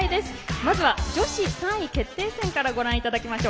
まずは女子３位決定戦からご覧いただきましょう。